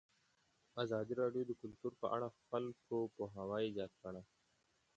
ازادي راډیو د کلتور په اړه د خلکو پوهاوی زیات کړی.